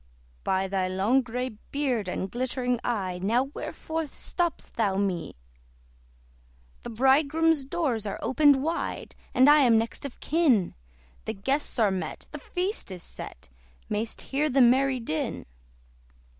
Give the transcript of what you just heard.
"By thy long grey beard and glittering eye, Now wherefore stopp'st thou me? "The Bridegroom's doors are opened wide, And I am next of kin; The guests are met, the feast is set: May'st hear the merry din."